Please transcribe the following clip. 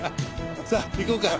さあ行こうか。